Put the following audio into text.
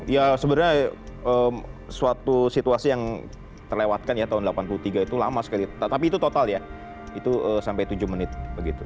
ya sebenarnya suatu situasi yang terlewatkan ya tahun seribu sembilan ratus tiga itu lama sekali tapi itu total ya itu sampai tujuh menit begitu